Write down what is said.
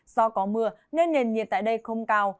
do có mưa nên nền nhiệt tại đây không cao